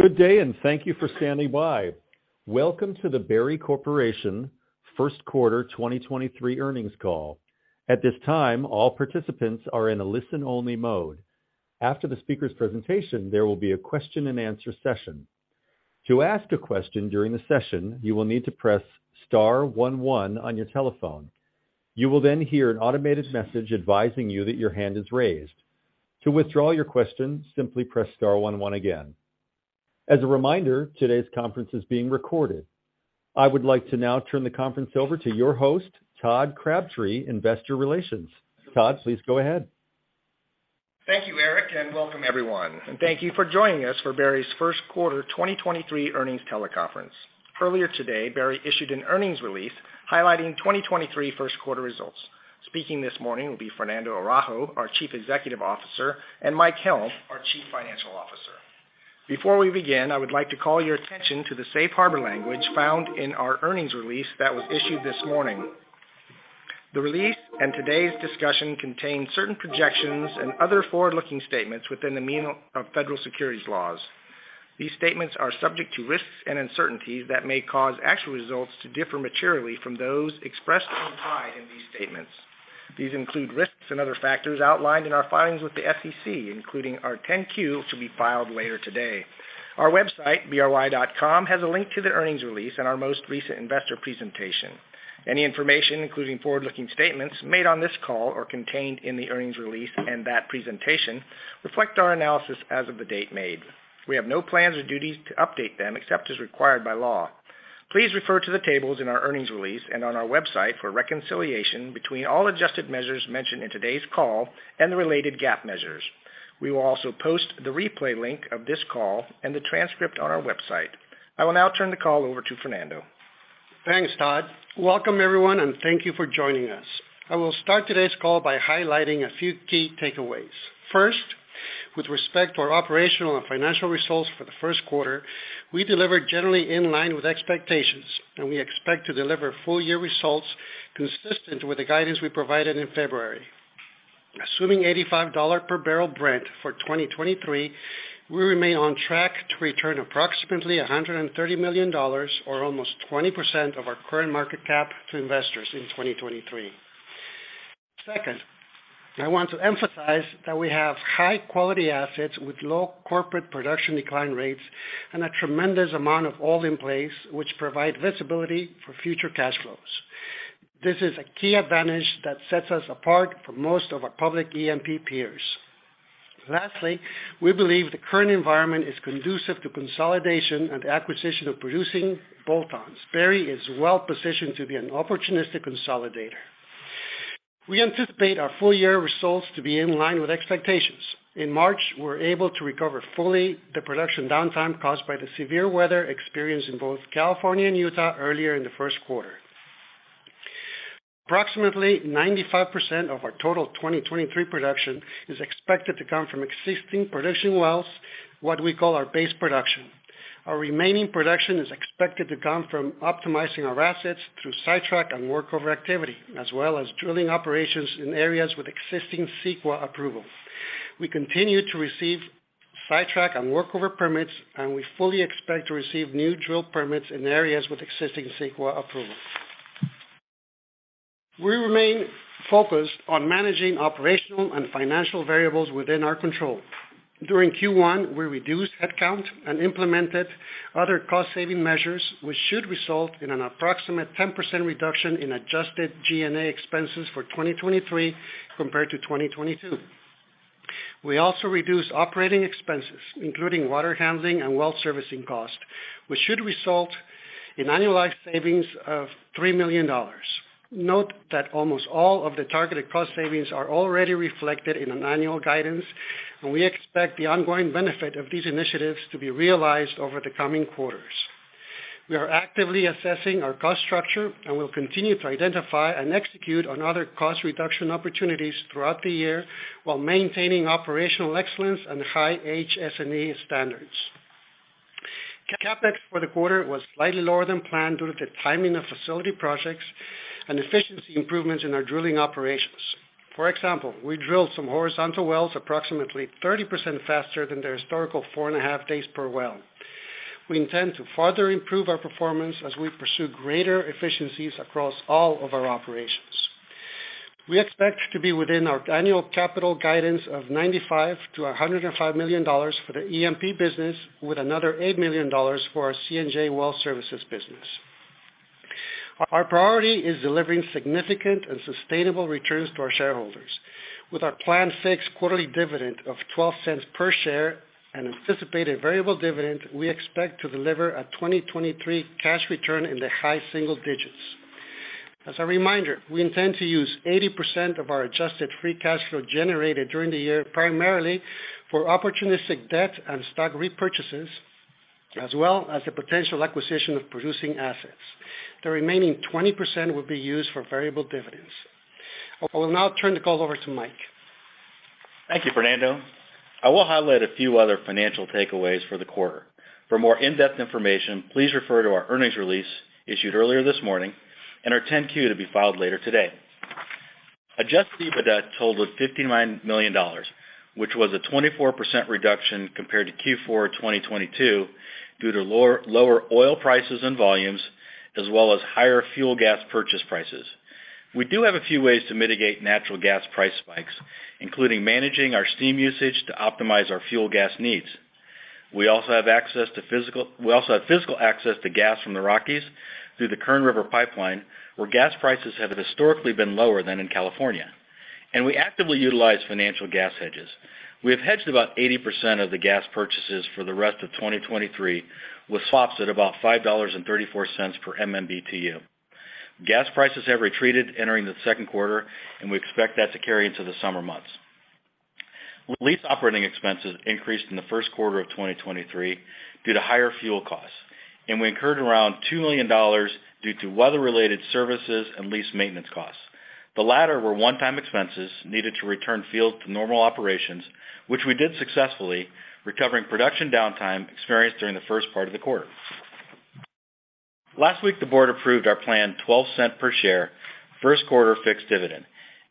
Good day, and thank you for standing by. Welcome to the Berry Corporation first quarter 2023 earnings call. At this time, all participants are in a listen-only mode. After the speaker's presentation, there will be a question-and-answer session. To ask a question during the session, you will need to press star one-one on your telephone. You will then hear an automated message advising you that your hand is raised. To withdraw your question, simply press star one-one again. As a reminder, today's conference is being recorded. I would like to now turn the conference over to your host, Todd Crabtree, Investor Relations. Todd, please go ahead. Thank you, Eric, welcome everyone. Thank you for joining us for Berry's first quarter 2023 earnings teleconference. Earlier today, Berry issued an earnings release highlighting 2023 first quarter results. Speaking this morning will be Fernando Araujo, our Chief Executive Officer, and Mike Helm, our Chief Financial Officer. Before we begin, I would like to call your attention to the safe harbor language found in our earnings release that was issued this morning. The release and today's discussion contain certain projections and other forward-looking statements within the meaning of federal securities laws. These statements are subject to risks and uncertainties that may cause actual results to differ materially from those expressed in these statements. These include risks and other factors outlined in our filings with the SEC, including our 10-Q, to be filed later today. Our website, bry.com, has a link to the earnings release and our most recent investor presentation. Any information, including forward-looking statements made on this call or contained in the earnings release and that presentation, reflect our analysis as of the date made. We have no plans or duties to update them except as required by law. Please refer to the tables in our earnings release and on our website for reconciliation between all adjusted measures mentioned in today's call and the related GAAP measures. We will also post the replay link of this call and the transcript on our website. I will now turn the call over to Fernando. Thanks, Todd. Welcome, everyone, and thank you for joining us. I will start today's call by highlighting a few key takeaways. First, with respect to our operational and financial results for the first quarter, we delivered generally in line with expectations, and we expect to deliver full-year results consistent with the guidance we provided in February. Assuming $85 per barrel Brent for 2023, we remain on track to return approximately $130 million or almost 20% of our current market cap to investors in 2023. Second, I want to emphasize that we have high-quality assets with low corporate production decline rates and a tremendous amount of oil in place which provide visibility for future cash flows. This is a key advantage that sets us apart from most of our public E&P peers. Lastly, we believe the current environment is conducive to consolidation and acquisition of producing bolt-ons. Berry is well-positioned to be an opportunistic consolidator. We anticipate our full-year results to be in line with expectations. In March, we're able to recover fully the production downtime caused by the severe weather experienced in both California and Utah earlier in the first quarter. Approximately 95% of our total 2023 production is expected to come from existing production wells, what we call our base production. Our remaining production is expected to come from optimizing our assets through Sidetrack and Workover activity, as well as drilling operations in areas with existing CEQA approval. We continue to receive Sidetrack and Workover permits, we fully expect to receive new drill permits in areas with existing CEQA approval. We remain focused on managing operational and financial variables within our control. During Q1, we reduced headcount and implemented other cost-saving measures, which should result in an approximate 10% reduction in Adjusted G&A expenses for 2023 compared to 2022. We also reduced operating expenses, including water handling and well servicing cost, which should result in annualized savings of $3 million. Note that almost all of the targeted cost savings are already reflected in an annual guidance. We expect the ongoing benefit of these initiatives to be realized over the coming quarters. We are actively assessing our cost structure and will continue to identify and execute on other cost reduction opportunities throughout the year while maintaining operational excellence and high HSSE standards. CapEx for the quarter was slightly lower than planned due to the timing of facility projects and efficiency improvements in our drilling operations. For example, we drilled some horizontal wells approximately 30% faster than their historical four and a half days per well. We intend to further improve our performance as we pursue greater efficiencies across all of our operations. We expect to be within our annual capital guidance of $95 million-$105 million for the E&P business, with another $8 million for our C&J Well Services business. Our priority is delivering significant and sustainable returns to our shareholders. With our planned fixed quarterly dividend of $0.12 per share and anticipated variable dividend, we expect to deliver a 2023 cash return in the high single digits. As a reminder, we intend to use 80% of our Adjusted Free Cash Flow generated during the year, primarily for opportunistic debt and stock repurchases, as well as the potential acquisition of producing assets. The remaining 20% will be used for variable dividends. I will now turn the call over to Mike. Thank you, Fernando. I will highlight a few other financial takeaways for the quarter. For more in-depth information, please refer to our earnings release issued earlier this morning and our 10-Q to be filed later today. Adjusted EBITDA totaled $59 million, which was a 24% reduction compared to Q4 2022 due to lower oil prices and volumes, as well as higher fuel gas purchase prices. We do have a few ways to mitigate natural gas price spikes, including managing our steam usage to optimize our fuel gas needs. We also have physical access to gas from the Rockies through the Kern River pipeline, where gas prices have historically been lower than in California. We actively utilize financial gas hedges. We have hedged about 80% of the gas purchases for the rest of 2023 with swaps at about $5.34 per MMBTU. Gas prices have retreated entering the second quarter, we expect that to carry into the summer months. Lease operating expenses increased in the first quarter of 2023 due to higher fuel costs. We incurred around $2 million due to weather-related services and lease maintenance costs. The latter were one-time expenses needed to return fields to normal operations, which we did successfully, recovering production downtime experienced during the first part of the quarter. Last week, the board approved our planned $0.12 per share first quarter fixed dividend.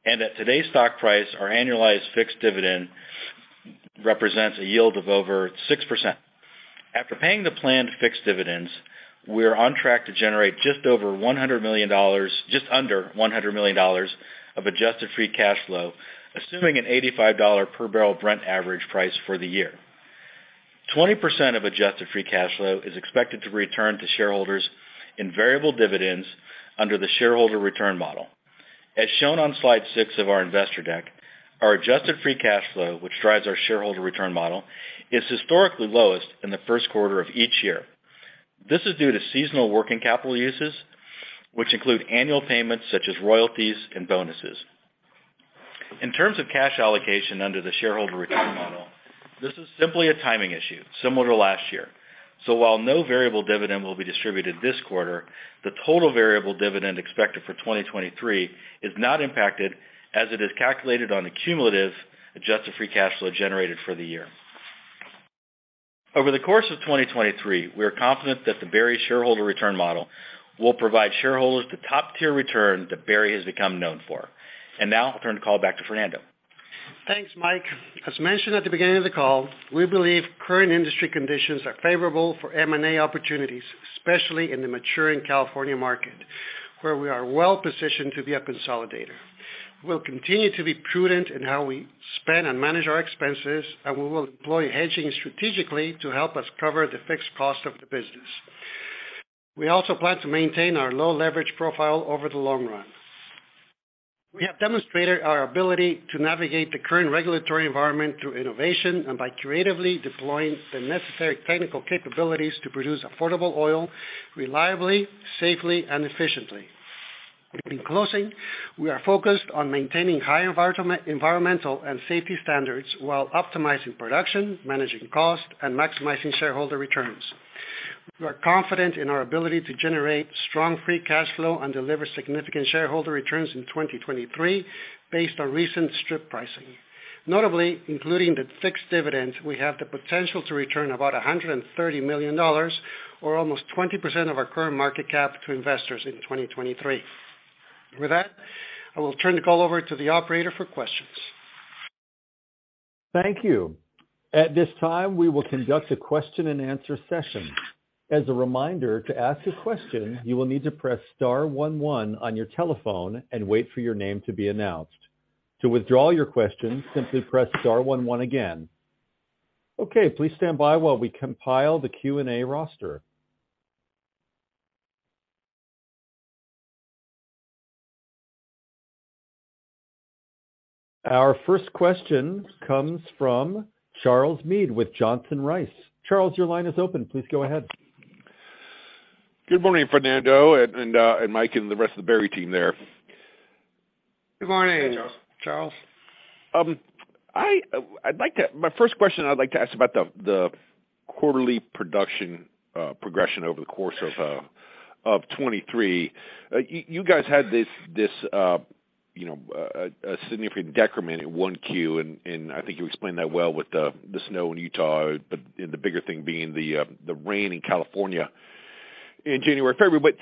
At today's stock price, our annualized fixed dividend represents a yield of over 6%. After paying the planned fixed dividends, we are on track to generate just under $100 million of Adjusted Free Cash Flow, assuming an $85 per barrel Brent average price for the year. 20% of Adjusted Free Cash Flow is expected to return to shareholders in variable dividends under the shareholder return model. As shown on slide 6 of our investor deck, our Adjusted Free Cash Flow, which drives our shareholder return model, is historically lowest in the first quarter of each year. This is due to seasonal working capital uses, which include annual payments such as royalties and bonuses. In terms of cash allocation under the shareholder return model, this is simply a timing issue, similar to last year. While no variable dividend will be distributed this quarter, the total variable dividend expected for 2023 is not impacted as it is calculated on a cumulative Adjusted Free Cash Flow generated for the year. Over the course of 2023, we are confident that the Berry shareholder return model will provide shareholders the top-tier return that Berry has become known for. Now I'll turn the call back to Fernando. Thanks, Mike. As mentioned at the beginning of the call, we believe current industry conditions are favorable for M&A opportunities, especially in the maturing California market, where we are well positioned to be a consolidator. We'll continue to be prudent in how we spend and manage our expenses, and we will employ hedging strategically to help us cover the fixed cost of the business. We also plan to maintain our low leverage profile over the long run. We have demonstrated our ability to navigate the current regulatory environment through innovation and by creatively deploying the necessary technical capabilities to produce affordable oil reliably, safely and efficiently. In closing, we are focused on maintaining high environmental and safety standards while optimizing production, managing cost, and maximizing shareholder returns. We are confident in our ability to generate strong free cash flow and deliver significant shareholder returns in 2023 based on recent strip pricing. Notably, including the fixed dividends, we have the potential to return about $130 million or almost 20% of our current market cap to investors in 2023. With that, I will turn the call over to the operator for questions. Thank you. At this time, we will conduct a question-and-answer session. As a reminder, to ask a question, you will need to press star one one on your telephone and wait for your name to be announced. To withdraw your question, simply press star one one again. Okay. Please stand by while we compile the Q&A roster. Our first question comes from Charles Meade with Johnson Rice. Charles, your line is open. Please go ahead. Good morning, Fernando, and Mike and the rest of the Berry team there. Good morning, Charles. I'd like to ask about the quarterly production progression over the course of 2023. You guys had this a significant decrement in Q1, and I think you explained that well with the snow in Utah and the bigger thing being the rain in California in January, February.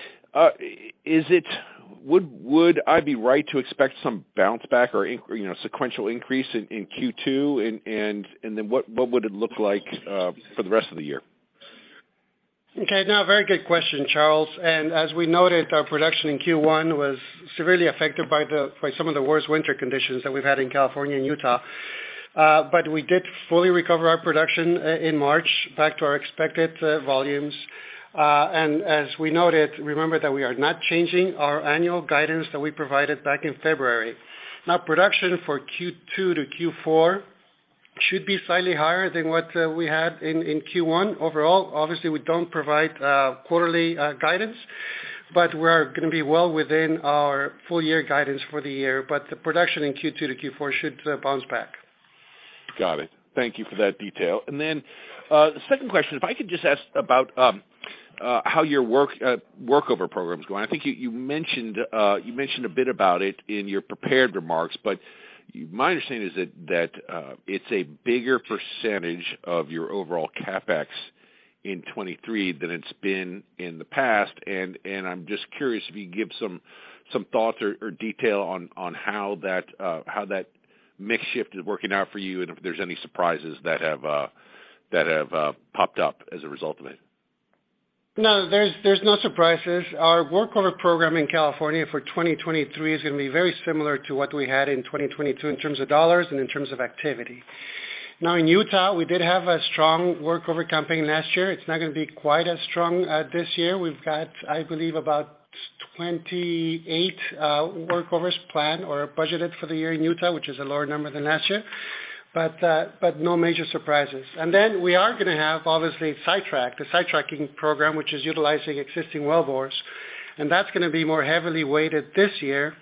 Would I be right to expect some bounce back or sequential increase in Q2? What would it look like for the rest of the year? Okay. No, very good question, Charles. As we noted, our production in Q1 was severely affected by some of the worst winter conditions that we've had in California and Utah. We did fully recover our production in March back to our expected volumes. As we noted, remember that we are not changing our annual guidance that we provided back in February. Production for Q2 to Q4 should be slightly higher than what we had in Q1 overall. Obviously, we don't provide quarterly guidance, we are gonna be well within our full year guidance for the year. The production in Q2 to Q4 should bounce back. Got it. Thank you for that detail. The second question, if I could just ask about how your work workover program is going. I think you mentioned a bit about it in your prepared remarks, but my understanding is that it's a bigger percentage of your overall CapEx in 2023 than it's been in the past. I'm just curious if you can give some thoughts or detail on how that mix shift is working out for you and if there's any surprises that have popped up as a result of it. No, there's no surprises. Our workover program in California for 2023 is gonna be very similar to what we had in 2022 in terms of dollars and in terms of activity. In Utah, we did have a strong workover campaign last year. It's not gonna be quite as strong this year. We've got, I believe about 28 workovers planned or budgeted for the year in Utah, which is a lower number than last year, but no major surprises. We are gonna have obviously sidetrack, the sidetracking program, which is utilizing existing wellbores, and that's gonna be more heavily weighted this year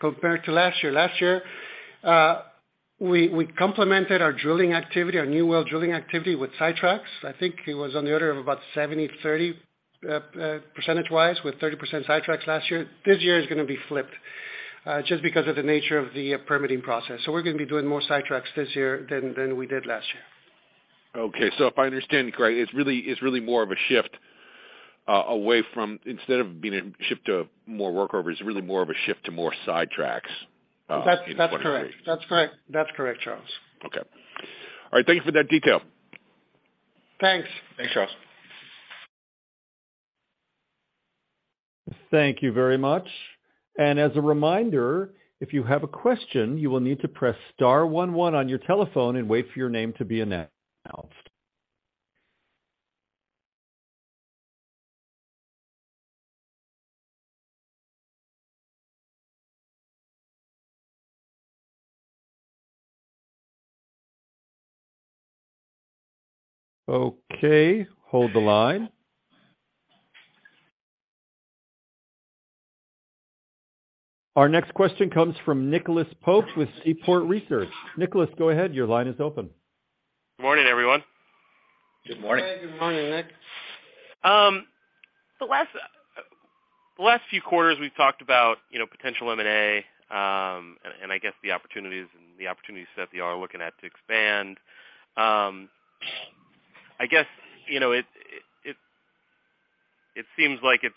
compared to last year. Last year, we complemented our drilling activity, our new well drilling activity with sidetracks. I think it was on the order of about 70/30% -wise, with 30% sidetracks last year. This year is gonna be flipped, just because of the nature of the permitting process. We're gonna be doing more sidetracks this year than we did last year. Okay. If I understand correct, it's really more of a shift away from instead of being a shift to more workovers, it's really more of a shift to more sidetracks in 2023. That's correct. That's correct. That's correct, Charles. Okay. All right, thank you for that detail. Thanks. Thanks, Charles. Thank you very much. As a reminder, if you have a question, you will need to press star one one on your telephone and wait for your name to be announced. Okay, hold the line. Our next question comes from Nicolas Pope with Seaport Research. Nicolas, go ahead. Your line is open. Good morning, everyone. Good morning. Good morning, Nick. The last few quarters we've talked about, potential M&A, and I guess the opportunities and the opportunities that you are looking at to expand. I guess, it seems like it's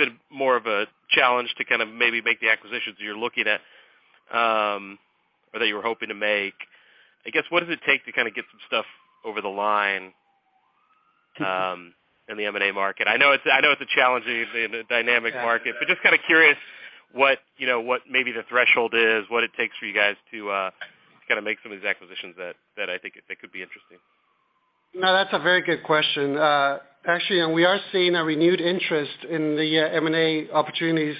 been more of a challenge to kind of maybe make the acquisitions that you're looking at, or that you were hoping to make. I guess, what does it take to kind of get some stuff over the line in the M&A market? I know it's a challenging and a dynamic market, but just kinda curious what maybe the threshold is, what it takes for you guys to kinda make some of these acquisitions that I think that could be interesting. No, that's a very good question. Actually, we are seeing a renewed interest in the M&A opportunities,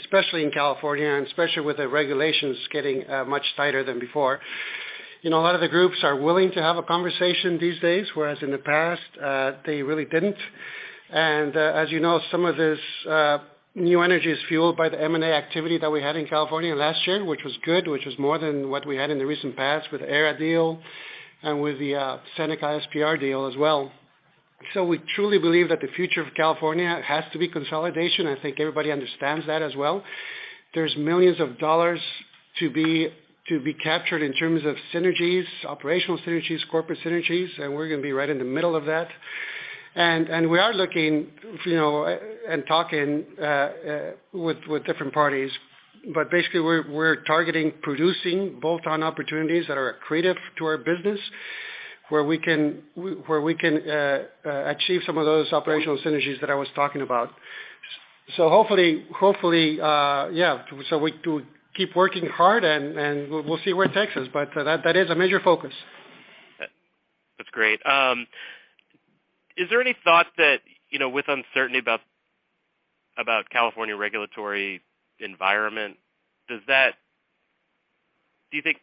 especially in California and especially with the regulations getting much tighter than before. A lot of the groups are willing to have a conversation these days, whereas in the past, they really didn't. As, some of this new energy is fueled by the M&A activity that we had in California last year, which was good, which was more than what we had in the recent past with the Aera deal and with the Seneca SPR deal as well. We truly believe that the future of California has to be consolidation. I think everybody understands that as well. There's millions of dollars to be captured in terms of synergies, operational synergies, corporate synergies, and we're gonna be right in the middle of that. We are looking and talking with different parties. Basically we're targeting producing bolt-on opportunities that are accretive to our business, where we can achieve some of those operational synergies that I was talking about. Hopefully, yeah. We do keep working hard and we'll see where it takes us. That is a major focus. That's great. Is there any thought that with uncertainty about California regulatory environment, Do you think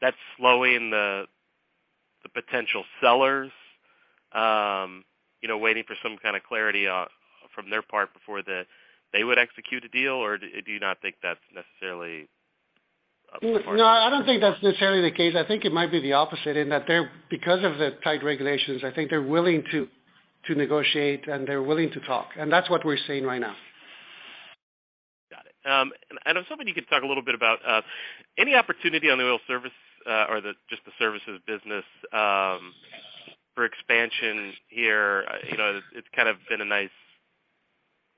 that's slowing the potential sellers, waiting for some kind of clarity from their part before they would execute a deal? Or do you not think that's necessarily a part? No, I don't think that's necessarily the case. I think it might be the opposite in that they're because of the tight regulations, I think they're willing to negotiate and they're willing to talk. That's what we're seeing right now. Got it. I was hoping you could talk a little bit about any opportunity on the oil service or the just the services business for expansion here. It's kind of been a nice,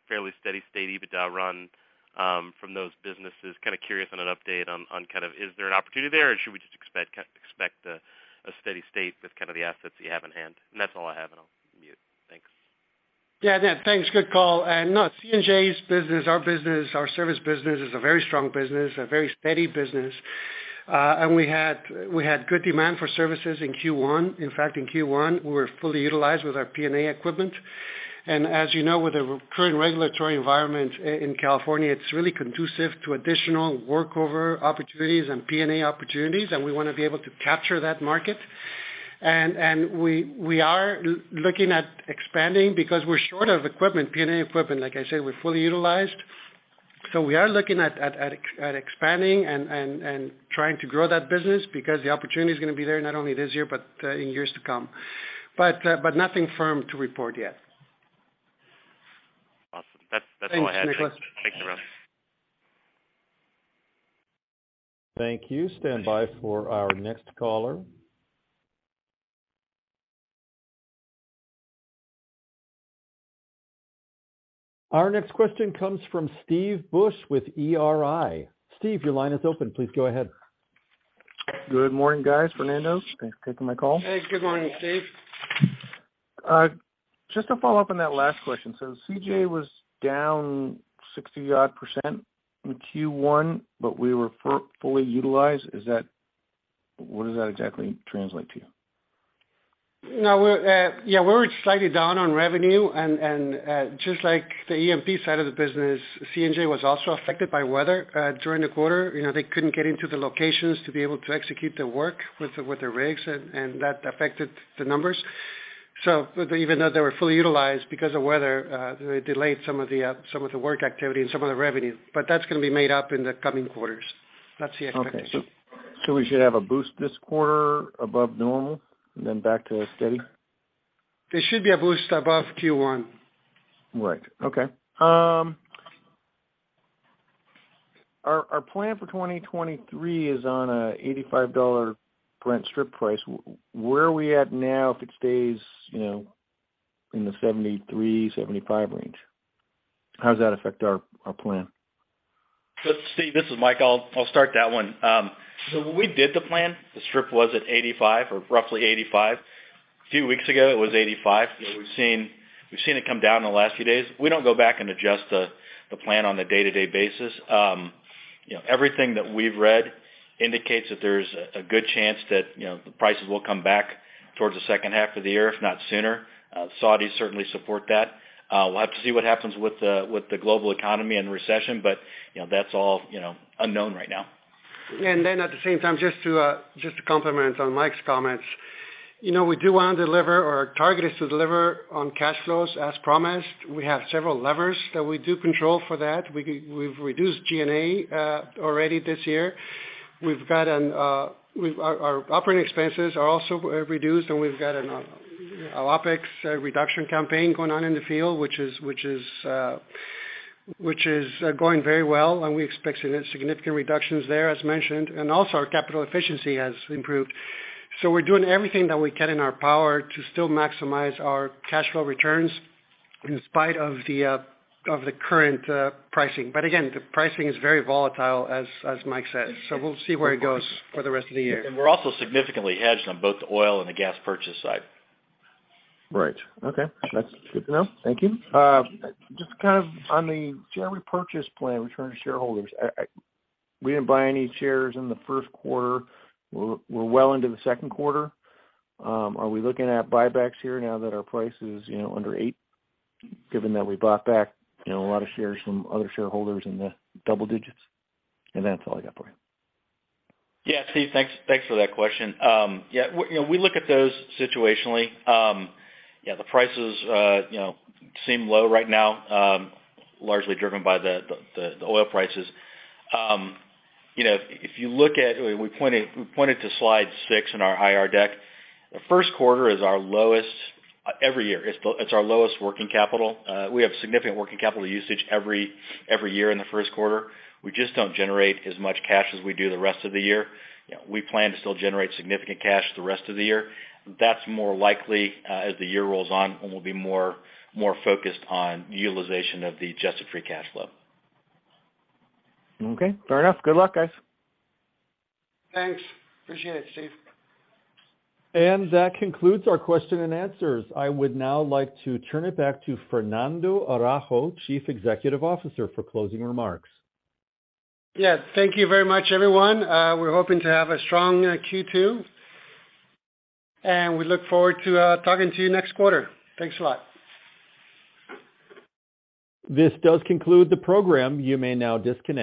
fairly steady-state EBITDA run from those businesses. Kinda curious on an update on kind of is there an opportunity there or should we just expect a steady state with kind of the assets you have in hand? That's all I have, and I'll mute. Thanks. Yeah. Thanks. Good call. No, C&J's business, our business, our service business is a very strong business, a very steady business. We had good demand for services in Q1. In fact, in Q1, we were fully utilized with our P&A equipment. As, with the current regulatory environment in California, it's really conducive to additional workover opportunities and P&A opportunities, and we wanna be able to capture that market. We are looking at expanding because we're short of equipment, P&A equipment. Like I said, we're fully utilized, we are looking at expanding and trying to grow that business because the opportunity is gonna be there not only this year, but in years to come. Nothing firm to report yet. Awesome. That's all I had. Thanks. Thank you. Stand by for our next caller. Our next question comes from Steve Busch with ERI. Steve, your line is open. Please go ahead. Good morning, guys. Fernando, thanks for taking my call. Hey, good morning, Steve. Just to follow up on that last question. C&J was down 60% odd in Q1, but we were fully utilized. Is that what does that exactly translate to? No, we're, yeah, we were slightly down on revenue just like the E&P side of the business, C&J was also affected by weather during the quarter. They couldn't get into the locations to be able to execute the work with the rigs, that affected the numbers. Even though they were fully utilized because of weather, they delayed some of the work activity and some of the revenue. That's gonna be made up in the coming quarters. That's the expectation. Okay. we should have a boost this quarter above normal, and then back to steady? There should be a boost above Q1. Right. Okay. Our, plan for 2023 is on a $85 Brent strip price. Where are we at now if it stays, in the $73-$75 range? How does that affect our plan? Steve, this is Mike. I'll start that one. When we did the plan, the strip was at $85 or roughly $85. A few weeks ago, it was $85. You know, we've seen it come down in the last few days. We don't go back and adjust the plan on a day-to-day basis. Everything that we've read indicates that there's a good chance that, the prices will come back towards the second half of the year, if not sooner. Saudis certainly support that. We'll have to see what happens with the global economy and recession but, that's all, unknown right now. At the same time, just to, just to complement on Mike's comments. We do wanna deliver or our target is to deliver on cash flows as promised. We have several levers that we do control for that. We've reduced G&A already this year. We've got our operating expenses are also reduced and we've got an OpEx reduction campaign going on in the field, which is going very well, and we expect significant reductions there as mentioned. Also our capital efficiency has improved. We're doing everything that we can in our power to still maximize our cash flow returns in spite of the of the current pricing. Again, the pricing is very volatile as Mike said. We'll see where it goes for the rest of the year. We're also significantly hedged on both the oil and the gas purchase side. Right. Okay. That's good to know. Thank you. Just kind of on the share repurchase plan, return to shareholders. We didn't buy any shares in the first quarter. We're well into the second quarter. Are we looking at buybacks here now that our price is under $8, given that we bought back a lot of shares from other shareholders in the double-digits? That's all I got for you. Steve, thanks for that question we look at those situationally. The prices, seem low right now, largely driven by the oil prices. You know, if you look at, we pointed to slide 6 in our IR deck. The first quarter is our lowest every year, it's our lowest working capital. We have significant working capital usage every year in the first quarter. We just don't generate as much cash as we do the rest of the year. We plan to still generate significant cash the rest of the year. That's more likely as the year rolls on, and we'll be more focused on utilization of the Adjusted Free Cash Flow. Okay. Fair enough. Good luck, guys. Thanks. Appreciate it, Steve. That concludes our question and answers. I would now like to turn it back to Fernando Araujo, Chief Executive Officer, for closing remarks. Yeah. Thank you very much, everyone. We're hoping to have a strong, Q2, and we look forward to, talking to you next quarter. Thanks a lot. This does conclude the program. You may now disconnect.